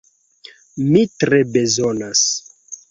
Mi tre bezonas!